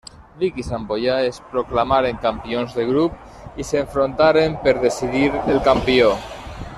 Vic i Santboià es proclamaren campions de grup i s'enfrontaren per decidir el campió.